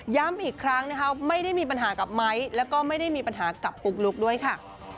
อีกครั้งนะคะไม่ได้มีปัญหากับไม้แล้วก็ไม่ได้มีปัญหากับปุ๊กลุ๊กด้วยค่ะ